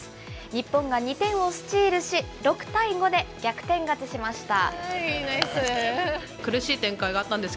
日本が２点をスチールし、６対５で逆転勝ちしました。